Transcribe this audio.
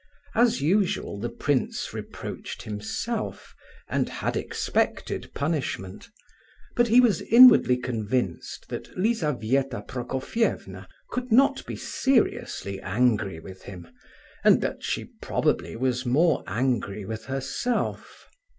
As usual the prince reproached himself, and had expected punishment, but he was inwardly convinced that Lizabetha Prokofievna could not be seriously angry with him, and that she probably was more angry with herself.